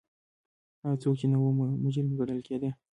هغه څوک چې نه و مجرم ګڼل کېده.